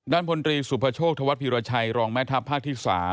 ด้านบนที่สุภโชคธวัฒน์ภิราชัยรองแม่ทัพภาคที่๓